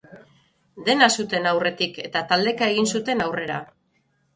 Dena zuten aurretik, eta taldeka egin zuten aurrera.